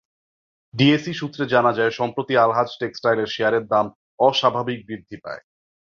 DSE সূত্রে জানা যায়, সম্প্রতি আলহাজ টেক্সটাইলের শেয়ারের দাম অস্বাভাবিক বৃদ্ধি পায়।